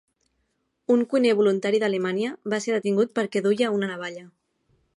Un cuiner voluntari d’Alemanya va ser detingut perquè duia una navalla.